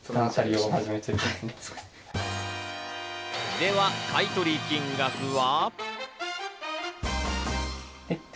では、買い取り金額は？